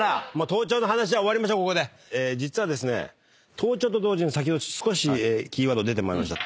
盗聴と同時に先ほど少しキーワード出てまいりました。